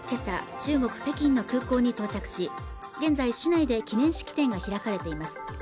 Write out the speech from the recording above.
中国北京の空港に到着し現在市内で記念式典が開かれています